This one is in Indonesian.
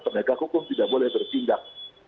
penegak hukum tidak boleh bertindak